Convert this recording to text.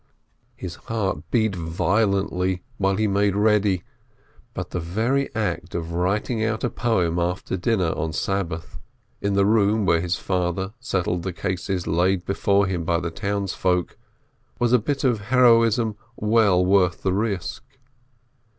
His heart beat violently while he made ready, but the very act of writing out a poem after dinner on Sabbath, in the room where his father settled the cases laid before him by the townsfolk, was a bit of heroism well worth the risk.